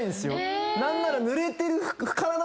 何ならぬれてる。